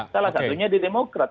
salah satunya di demokrat